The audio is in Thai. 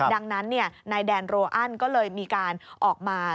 ดังนั้นนายแดนโรอันก็เลยมีการออกมา